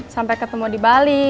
sampai ketemu di bali